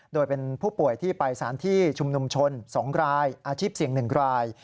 โดยเป็นผู้ป่วยที่ไปสถานที่ชุมนุมชน๒รายอาชีพเสี่ยง๑ราย